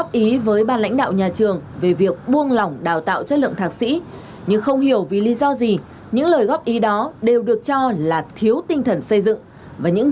cụ thể trong năm học hai nghìn hai mươi hai nghìn hai mươi một mở các lớp đào tạo thạc sĩ quản lý giáo dục k hai mươi hai học tại hải dương